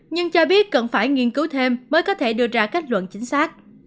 nhưng cho biết cần phải nghiên cứu thêm mới có thể đưa ra kết luận chính xác